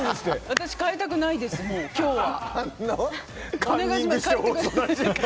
私、変えたくないです、今日は。